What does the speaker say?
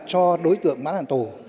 cho đối tượng mãn hạn tù